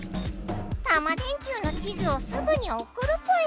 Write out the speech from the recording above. タマ電Ｑの地図をすぐにおくるぽよ！